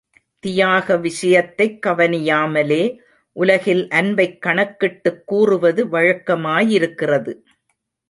தியாக விஷயத்தைக் கவனியாமலே, உலகில் அன்பைக் கணக்கிட்டுக் கூறுவது வழக்கமாயிருக்கிறது.